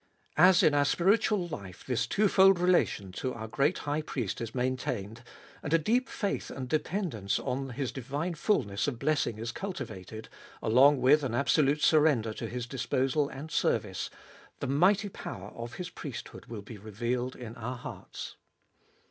As in our spiritual life this twofold relation to our great High Priest is maintained, and a deep faith and dependence on His divine fulness of blessing is cultivated, along with an absolute surrender to His disposal and service, the mighty power of His priesthood will be revealed in our hearts.